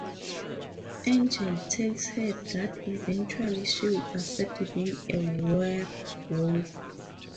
Angel tells her that eventually she will accept being a werewolf.